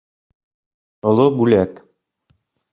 ОЛО БҮЛӘК